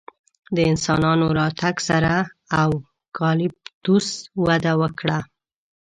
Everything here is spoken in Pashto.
د انسانانو راتګ سره اوکالیپتوس وده وکړه.